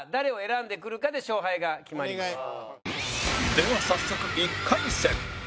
では早速１回戦